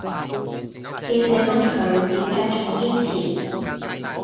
記者問佢點解仲堅持